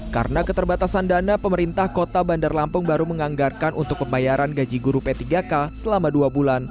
karena keterbatasan dana pemerintah kota bandar lampung baru menganggarkan untuk pembayaran gaji guru p tiga k selama dua bulan